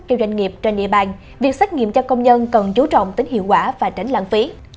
cho doanh nghiệp trên địa bàn việc xét nghiệm cho công nhân cần chú trọng tính hiệu quả và tránh lãng phí